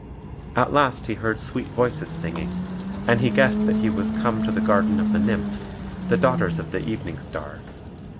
At last he heard sweet voices singing; and he guessed that he was come to the garden of the Nymphs, the daughters of the Evening Star.